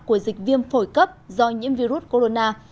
của dịch viêm phổi cấp do nhiễm virus corona